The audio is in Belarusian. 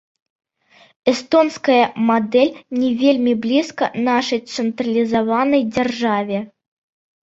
Эстонская мадэль не вельмі блізкая нашай цэнтралізаванай дзяржаве.